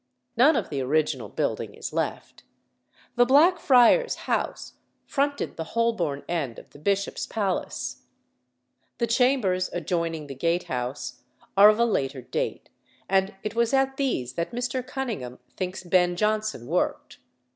None of the original building is left. The Black Friars' House fronted the Holborn end of the Bishop's Palace. The chambers adjoining the Gate House are of a later date and it was at these that Mr. Cunningham thinks Ben Jonson worked.